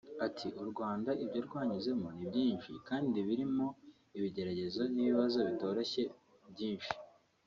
Ati ”U Rwanda ibyo rwanyuzemo ni byinshi kandi birimo ibigeragezo n’ibibazo bitoroshye byinshi